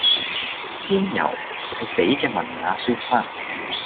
仙遊係死嘅文雅說法